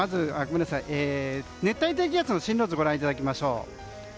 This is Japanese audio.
熱帯低気圧の進路図をご覧いただきましょう。